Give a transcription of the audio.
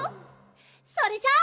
それじゃあ。